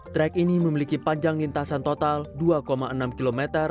trek ini memiliki panjang lintasan total dua enam km